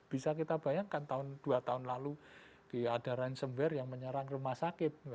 bisa kita bayangkan dua tahun lalu ada ransomware yang menyerang rumah sakit